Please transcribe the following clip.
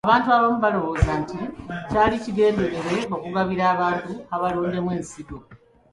Abantu abamu baalowooza nti kyali kigenderere okugabira abantu abalondemu ensigo .